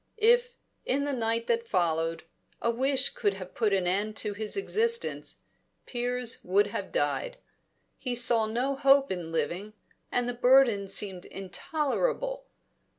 If, in the night that followed, a wish could have put an end to his existence, Piers would have died. He saw no hope in living, and the burden seemed intolerable.